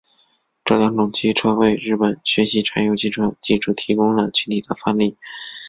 这两种机车为日本学习柴油机车技术提供了具体范例。